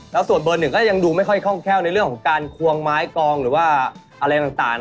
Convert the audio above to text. ก็เลยคิดว่าคนที่น่าจะใช่ก็คือเบอร์สาม